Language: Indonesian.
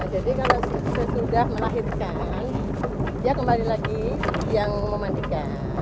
jadi kalau sudah melahirkan dia kembali lagi yang memandikan